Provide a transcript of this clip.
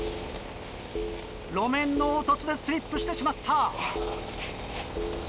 路面の凹凸でスリップしてしまった！